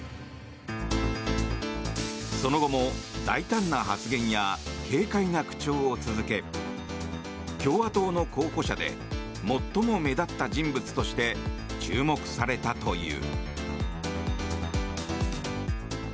その後も、大胆な発言や軽快な口調を続け共和党の候補者で最も目立った人物として注目されたという。